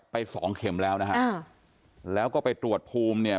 สองเข็มแล้วนะฮะอ่าแล้วก็ไปตรวจภูมิเนี่ย